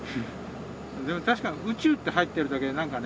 でも確かに「宇宙」って入ってるだけで何かね。